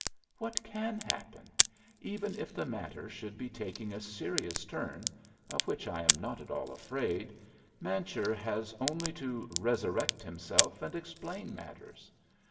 "What can happen? Even if the matter should be taking a serious turn, of which I am not at all afraid, Mancher has only to 'resurrect' himself and explain matters.